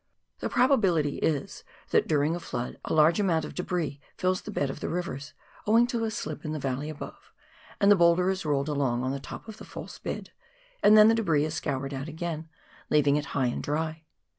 The probability is, that during a flood a large amount of debris fills the bed of the rivers, owing to a slip in the valley above, and the boulder is rolled along on the top of the false bed, and then the debris is scoured out again, leaving it high and dry.